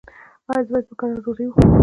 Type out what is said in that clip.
ایا زه باید په کراره ډوډۍ وخورم؟